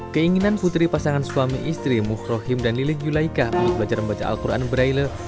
keinginan putri pasangan suami istri muhrohim dan lilik yulaika untuk belajar membaca al quran braille